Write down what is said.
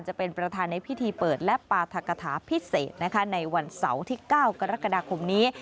จะเป็นประธานในพิธีเปิดและปราธกฐาพิเศษนะคะในวันเสาร์ที่๙กรกฎาคมนี้